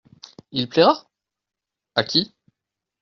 Il plaira ?… à qui ?…